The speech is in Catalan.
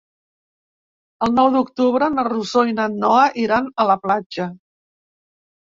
El nou d'octubre na Rosó i na Noa iran a la platja.